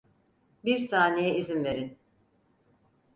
Bir saniye izin verin.